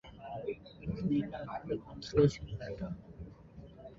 It is named after the constellation Lyra.